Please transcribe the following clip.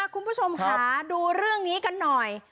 คุณผู้ชมค่ะดูเรื่องนี้กันหน่อย